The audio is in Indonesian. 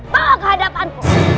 bawa ke hadapanku